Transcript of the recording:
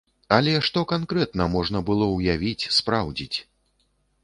Але што канкрэтна можна было ўявіць, спраўдзіць?